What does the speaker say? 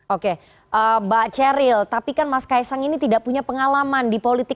oke mbak ceril tapi kan mas kaisang ini tidak punya pengalaman di politik